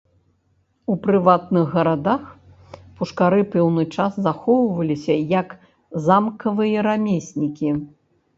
У прыватных гарадах пушкары пэўны час захоўваліся як замкавыя рамеснікі.